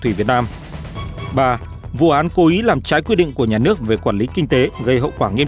thủy việt nam ba vụ án cố ý làm trái quy định của nhà nước về quản lý kinh tế gây hậu quả nghiêm